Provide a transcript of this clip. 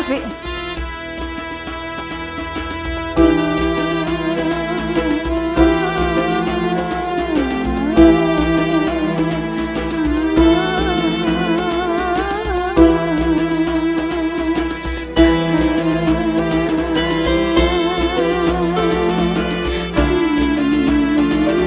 asik benar ini